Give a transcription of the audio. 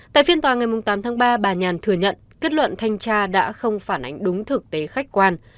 tại phiên tòa ngày tám tháng ba bà nhàn thừa nhận kết luận thanh tra đã không phản ánh đúng thực tế khách quan